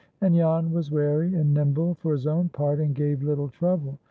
And Jan was wary and nimble, for his own part, and gave little trouble.